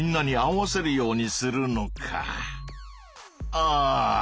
ああ！